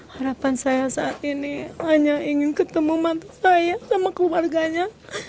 harapan saya saat ini hanya ingin ketemu mantu saya sama keluarganya